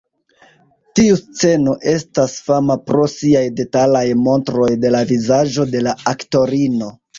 Tiu sceno estas fama pro siaj detalaj montroj de la vizaĝo de la aktorino.